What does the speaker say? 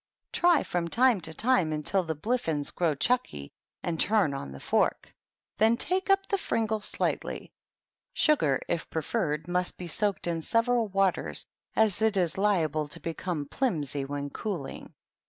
Try from time to time until the bliffins grow chvx^ky and turn on the fork ; then take up and fringle slightly. Sugar, if preferred, must be soaked in several waters, as it is liable to become plimsy when cooling.